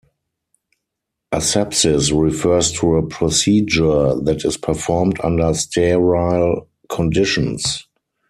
Asepsis refers to a procedure that is performed under sterile conditions.